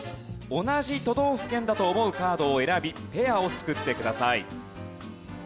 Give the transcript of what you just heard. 同じ都道府県だと思うカードを選びペアを作ってください。